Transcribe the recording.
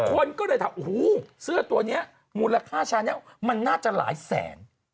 คนก็เลยถามโอ้โหเสื้อตัวนี้มูลค่าชานี้มันน่าจะหลายแสน